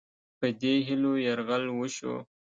په دې هیلو یرغل وشو.